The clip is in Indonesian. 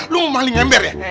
lu mau paling ember ya